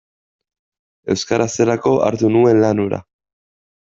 Euskaraz zelako hartu nuen lan hura.